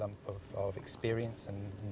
dengan pengalaman yang sangat baik